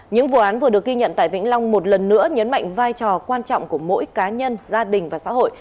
những vụ án vừa được ghi nhận tại vĩnh long một lần nữa nhấn mạnh vai trò quan trọng của mỗi cá nhân gia đình và xã hội